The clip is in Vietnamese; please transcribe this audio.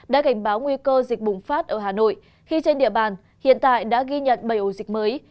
đã cảnh báo nguy cơ dịch bùng phát ở hà nội khi trên địa bàn hiện tại đã ghi nhận bảy ổ dịch mới